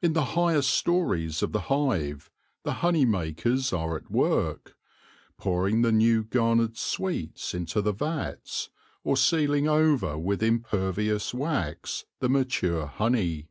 In the highest stories of the hive the honey makers are at work, pouring the new garnered sweets into the vats, or sealing over with impervious wax the mature honey.